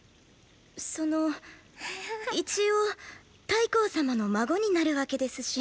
その一応太后様の孫になるわけですし。